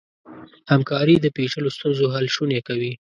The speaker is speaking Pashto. همکاري د پېچلو ستونزو حل شونی کوي.